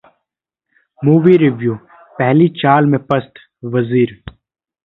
Movie Review: पहली चाल में पस्त 'वजीर'